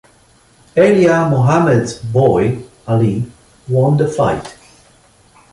Elijah Muhammad's boy Ali won the fight.